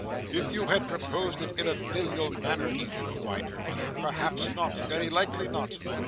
"If you had proposed it in a filial manner, Edith," whined her mother, "perhaps not; very likely not.